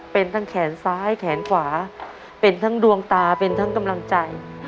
เป็นทั้งแขนซ้ายแขนขวาเป็นทั้งดวงตาเป็นทั้งกำลังใจ